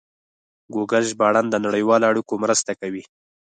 ګوګل ژباړن د نړیوالو اړیکو مرسته کوي.